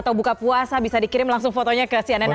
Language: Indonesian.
atau buka puasa bisa dikirim langsung fotonya ke cnn indonesia